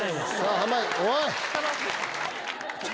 濱家おい！